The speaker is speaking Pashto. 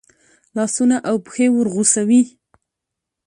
لاسونه او پښې ورغوڅوي.